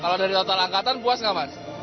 kalau dari total angkatan puas nggak mas